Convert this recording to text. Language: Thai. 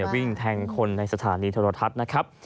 ก็เลยวิ่งแทงคนในสถานีธรรมทัศน์นะครับ